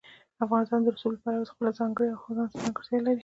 افغانستان د رسوب له پلوه خپله ځانګړې او ځانته ځانګړتیا لري.